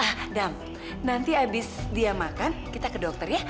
ah dam nanti abis dia makan kita ke dokter ya